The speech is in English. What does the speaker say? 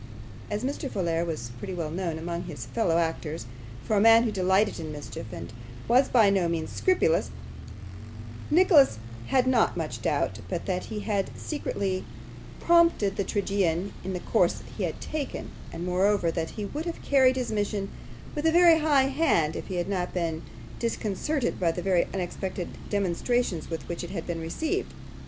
As Mr. Folair was pretty well known among his fellow actors for a man who delighted in mischief, and was by no means scrupulous, Nicholas had not much doubt but that he had secretly prompted the tragedian in the course he had taken, and, moreover, that he would have carried his mission with a very high hand if he had not been disconcerted by the very unexpected demonstrations with which it had been received.